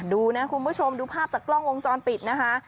ดูนะคุณผู้ชมดูภาพจากกล้องวงจรปิดนะคะ